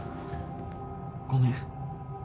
ごめん。